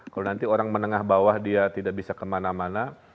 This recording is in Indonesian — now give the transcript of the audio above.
kalau nanti orang menengah bawah dia tidak bisa kemana mana